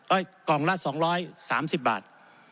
เอ้ยกล่องละ๒๓๐บาท